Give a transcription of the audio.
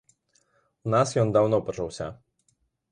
У нас ён даўно пачаўся.